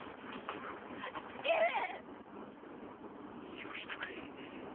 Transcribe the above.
許してくれ。